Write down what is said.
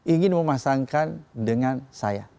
ingin memasangkan dengan saya